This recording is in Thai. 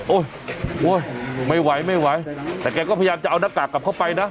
โอ๊ยไม่ไหวไม่ไหวแต่แกก็พยายามจะเอาหน้ากากกลับเข้าไปนะ